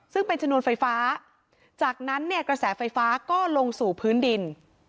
ซึ่งเป็นชนวนไฟฟ้าจากนั้นเนี่ยกระแสไฟฟ้าก็ลงสู่พื้นดิน